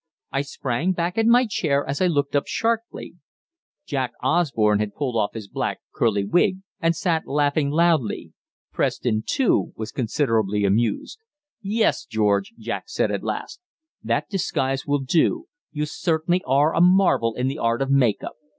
I sprang back in my chair as I looked up sharply. Jack Osborne had pulled off his black, curly wig, and sat laughing loudly. Preston too was considerably amused. "Yes, George," Jack said at last, "that disguise will do; you certainly are a marvel in the art of 'make up.'